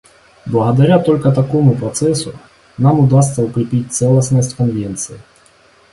Благодаря только такому процессу нам удастся укрепить целостность Конвенции.